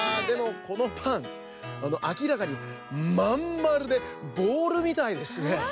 でもこのパンあきらかにまんまるでボールみたいですね。